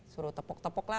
suruh tepuk tepuk lah